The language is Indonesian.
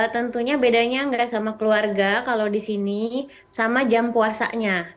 tentunya bedanya nggak sama keluarga kalau di sini sama jam puasanya